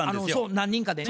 何人かでね。